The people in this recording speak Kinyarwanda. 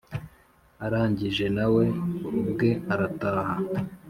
arangije nawe ubwe arataha.